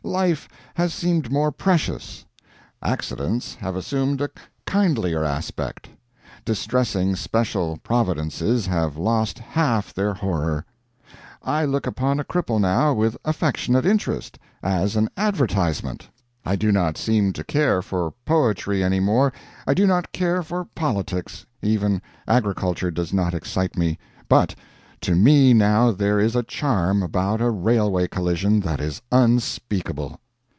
Life has seemed more precious. Accidents have assumed a kindlier aspect. Distressing special providences have lost half their horror. I look upon a cripple now with affectionate interest as an advertisement. I do not seem to care for poetry any more. I do not care for politics even agriculture does not excite me. But to me now there is a charm about a railway collision that is unspeakable.